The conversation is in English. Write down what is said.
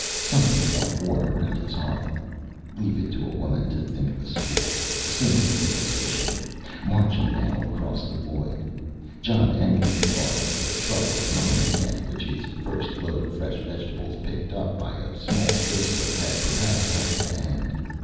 Something felt warm around his heart. Leave it to a woman to think of a school the symbol of civilization, marching now across the void. John Endlich thought of the trouble at the mining camp, which his first load of fresh vegetables, picked up by a small space boat, had perhaps helped to end.